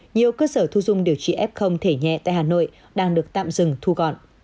nhiều cơ sở thu dung điều trị f thể nhẹ tại hà nội đang được tạm dừng thu gọn